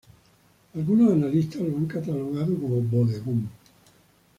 Algunos analistas lo han catalogado como bodegón.